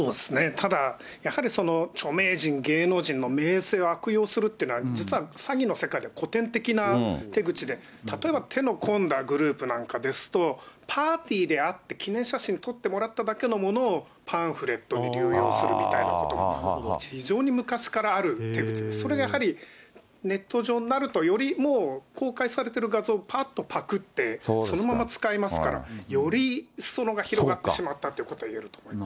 ただ、やはりその著名人、芸能人の名声を悪用するってのは実は詐欺の世界では古典的な手口で、例えば手の込んだグループなんかですと、パーティーで会って、記念写真撮ってもらっただけのものをパンフレットに流用するみたいなこと、非常に昔からある手口で、それがやはり、ネット上になるとよりもう、公開されている画像をぱっとぱくって、そのまま使いますから、よりすそ野が広がってしまったということが言えると思います。